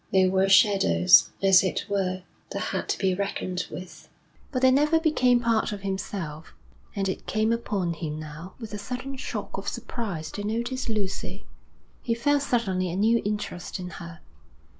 They were shadows, as it were, that had to be reckoned with, but they never became part of himself. And it came upon him now with a certain shock of surprise to notice Lucy. He felt suddenly a new interest in her.